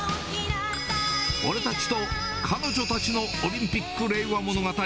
俺たちと彼女たちのオリンピック令和物語。